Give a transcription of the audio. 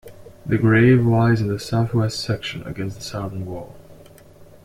The grave lies in the south-west section, against the southern wall.